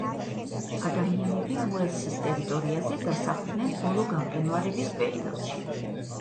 ადამიანები უელსის ტერიტორიაზე დასახლდნენ ბოლო გამყინვარების პერიოდში.